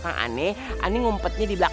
kenapa aristokromu kang block